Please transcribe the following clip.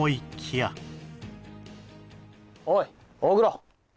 やおい大黒